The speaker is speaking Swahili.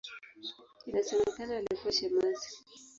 Inasemekana alikuwa shemasi.